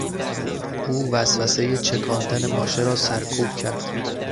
او وسوسهی چکاندن ماشه را سرکوب کرد.